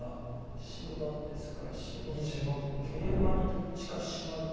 白番ですから白もケイマにどっちかシマるか。